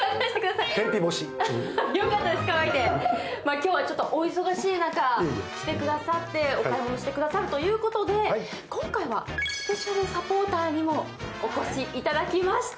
今日はお忙しい中、来てくださってお買い物してくださるということで、今回はスペシャルサポーターにもお越しいただきました。